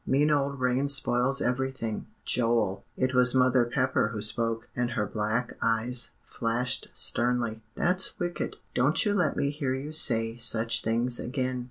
Mean old rain spoils everything." "Joel!" it was Mother Pepper who spoke, and her black eyes flashed sternly, "that's wicked. Don't you let me hear you say such things again."